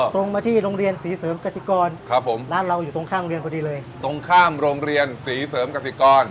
ตรงมาที่โรงเรียนศรีเสริมกสิกรครับผมร้านเราอยู่ตรงข้ามเรียนพอดีเลยตรงข้ามโรงเรียนศรีเสริมกสิกร